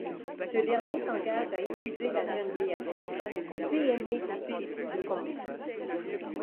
Ce dernier s'engage à épouser la jeune Béatrice, fille aînée du fils du comte.